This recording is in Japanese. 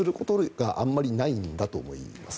あまりないんだと思います。